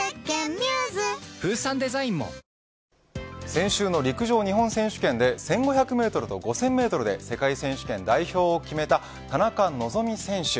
先週の陸上日本選手権で１５００メートルと５０００メートルで世界選手権代表を決めた田中希実選手。